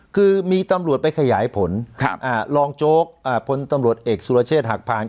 คือมีตำรวจไปขยายผลรองโจ๊กพลตำรวจเอกสุรเชษฐ์หักผ่าน